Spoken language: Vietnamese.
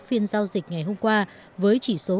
phiên giao dịch ngày hôm qua với chỉ số